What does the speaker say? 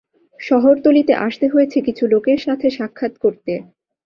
শহরতলীতে আসতে হয়েছে কিছু লোকের সাথে সাক্ষাৎ করতে।